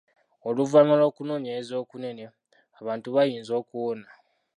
Oluvannyuma lw’okunoonyereza okunene, abantu bayinza okuwona.